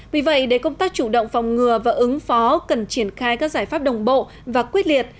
vì vậy để công tác chủ động phòng ngừa và ứng phó cần triển khai các giải pháp đồng bộ và quyết liệt